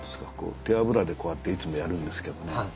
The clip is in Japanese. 手脂でこうやっていつもやるんですけどね。